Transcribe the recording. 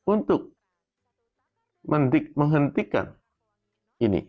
untuk menghentikan ini